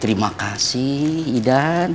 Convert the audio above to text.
terima kasih idan